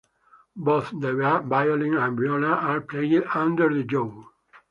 Both the violin and viola are played under the jaw.